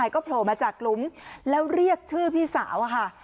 ก็โผล่มาจากหลุมแล้วเรียกชื่อพี่สาวอะค่ะ